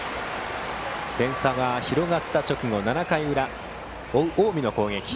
点差が広がった直後、７回裏追う近江の攻撃。